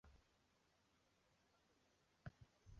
本科生专业设有建筑学。